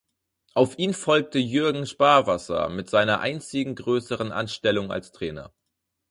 Auf ihn folgte Jürgen Sparwasser mit seiner einzigen größeren Anstellung als Trainer.